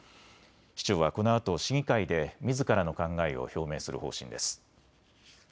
市長はこのあと市議会でみずからの考えを表明する方針です。